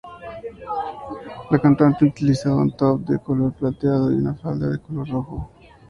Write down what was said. La cantante utilizaba un "top" de color plateado y una falda de color rojo.